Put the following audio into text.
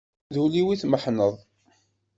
D ul-iw i tmeḥneḍ.